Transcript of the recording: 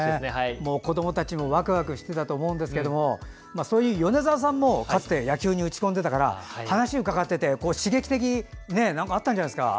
子どもたちもワクワクしてたと思うんですけどそういう米澤さんもかつては野球に打ち込んでたから話を伺ってて刺激的だったんじゃないですか？